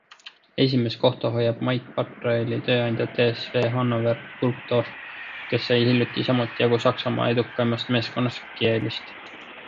Esimest kohta hoiab Mait Patraili tööandja TSV Hannover-Burgdorf, kes sai hiljuti samuti jagu Saksamaa edukaimast meeskonnast Kielist.